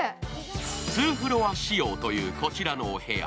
２フロア仕様というこちらのお部屋。